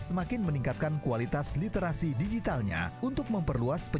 jangan lupa like share dan subscribe